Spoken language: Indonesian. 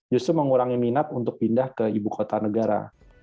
justru mengurangi minat untuk pindah ke ibu kota negara